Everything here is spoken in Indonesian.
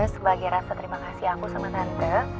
sebagai rasa terima kasih aku sama tante